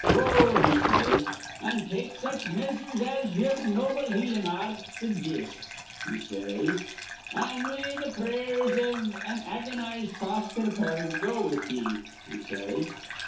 'Go,' he says, 'an' take such measures as ye'er noble healin' ar rt sug gists,' he says; 'an' may th' prayers iv an agonized foster parent go with ye,' he says.